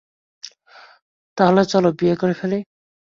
তাহলে চল বিয়ে করে ফেলি।